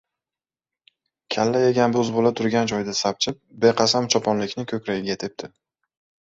Kalla yegan bo‘zbola turgan joyida sapchib, beqasam choponlikning ko‘kragiga tepdi.